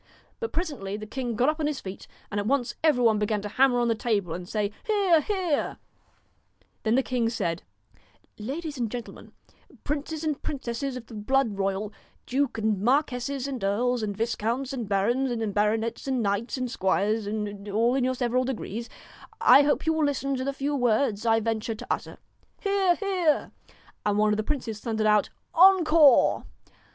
But presently the king got up on his feet, and at once every one began to hammer on the table, and say' Hear 1 hear I 1 Then the king said: 'Ladies and gentlemen, princes and princesses of the blood royal, dukes and marquesses and earls, and viscounts and barons, and baronets and knights and squires, and all in your several degrees, I hope you will listen to the few words I venture to utter.' 'Hear! hear!' And one of the princes thundered out ' Encore